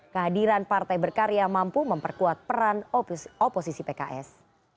kehadiran partai berkarya mampu memperkuat peran oposisi pks